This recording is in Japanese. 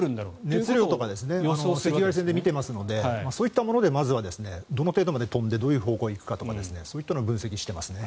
熱量とか赤外線で見てますのでそういったものでまずはどの程度まで飛んでどういう方向に行くかとかそういったものを分析していますね。